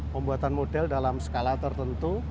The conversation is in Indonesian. pembuatan model dalam skala tertentu